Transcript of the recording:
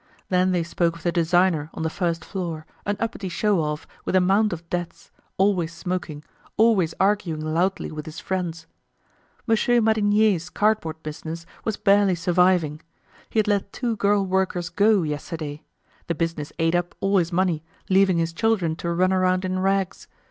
Then they spoke of the designer on the first floor, an uppity show off with a mound of debts, always smoking, always arguing loudly with his friends. Monsieur Madinier's cardboard business was barely surviving. He had let two girl workers go yesterday. The business ate up all his money, leaving his children to run around in rags.